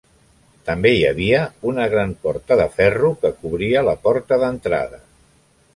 També hi havia una gran porta de ferro que cobria la porta d'entrada.